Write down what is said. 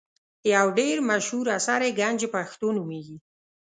یو ډېر مشهور اثر یې ګنج پښتو نومیږي.